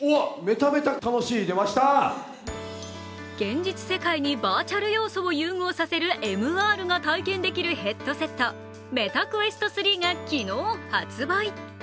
現実世界にバーチャル要素を融合させるＭＲが体験できるヘッドセット、ＭｅｔａＱｕｅｓｔ３が昨日、発売。